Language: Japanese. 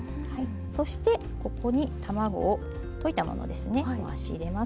そしてここに卵を溶いたものですね回し入れます。